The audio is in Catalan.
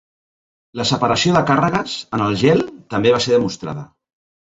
La separació de càrregues en el gel també va ser demostrada.